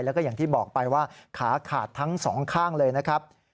แล้วก็อย่างที่บอกไปว่าขาขาดทั้งสองข้างเลยนะครับ